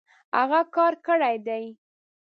هغۀ کار کړی دی